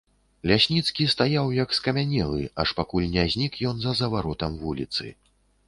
Лясніцкі стаяў, як скамянелы, аж пакуль не знік ён за заваротам вуліцы.